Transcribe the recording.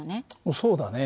そうだね。